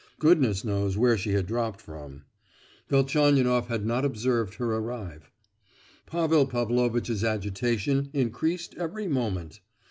Goodness knows where she had dropped from; Velchaninoff had not observed her arrive. Pavel Pavlovitch's agitation increased every moment.